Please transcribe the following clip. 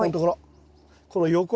この横。